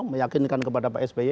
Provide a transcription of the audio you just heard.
meyakinkan kepada pak sby